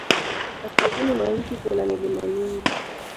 Kaskazini mwa nchi kuna milima mingi.